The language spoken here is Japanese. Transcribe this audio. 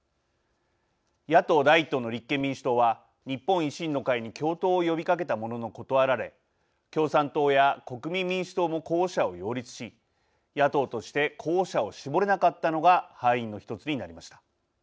野党第一党の立憲民主党は日本維新の会に共闘を呼びかけたものの断られ共産党や国民民主党も候補者を擁立し野党として候補者を絞れなかったのが敗因の１つになりました。